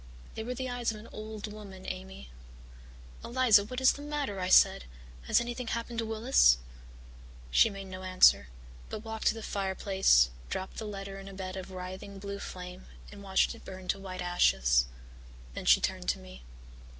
They were the eyes of an old woman, Amy. "'Eliza, what is the matter?' I said. 'Has anything happened to Willis?' "She made no answer, but walked to the fireplace, dropped the letter in a bed of writhing blue flame and watched it burn to white ashes. Then she turned to me.